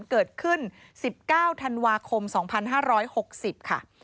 เกิดขึ้น๑๙ธันวาคม๒๕๖๐ค่ะ